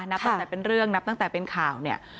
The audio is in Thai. นับตั้งแต่เป็นเรื่องนับตั้งแต่เป็นข่าวเนี่ย